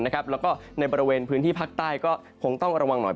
แล้วก็ในบริเวณพื้นที่ภาคใต้ก็คงต้องระวังหน่อย